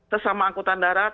sesama angkutan darat